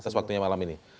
terus waktunya malam ini